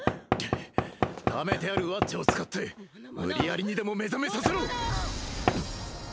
ためてあるワッチャを使って無理やりにでも目覚めさせろ！